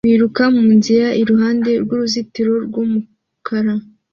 biruka munzira iruhande rwuruzitiro rwumukara